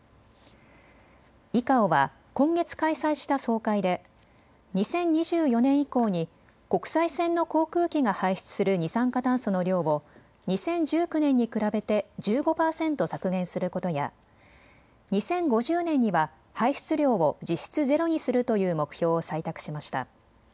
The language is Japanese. ＩＣＡＯは今月開催した総会で２０２４年以降に国際線の航空機が排出する二酸化炭素の量を２０１９年に比べて１５％削減することや２０５０年には排出量を実質ゼロにするという目標を採択しました。